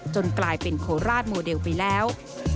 กลายเป็นโคราชโมเดลไปแล้ว